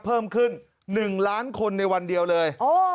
เพิ่มขึ้น๑ล้านคนในวันเดียวเลย